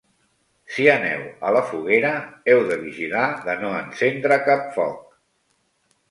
Si aneu a la foguera, heu de vigilar de no encendre cap foc.